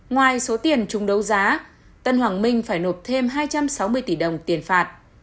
ngoài số tiền chúng đấu giá tân hoàng minh phải nộp thêm hai trăm sáu mươi tỷ đồng tiền phạt